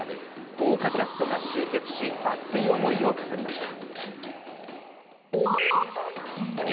豪華キャストが集結し、熱い思いを語りました。